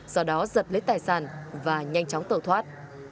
sau đó giật lấy tài sản và nhanh chóng tẩu thoát